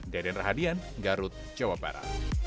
deden rahadian garut cewapara